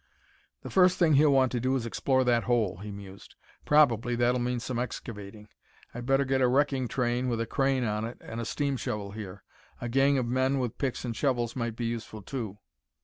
"The first thing he'll want to do is to explore that hole," he mused. "Probably, that'll mean some excavating. I'd better get a wrecking train with a crane on it and a steam shovel here. A gang of men with picks and shovels might be useful, too."